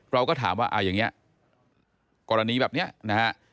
เราก็ถามว่าเอาอย่างเนี่ยกรณีแบบเนี่ยนะฮะ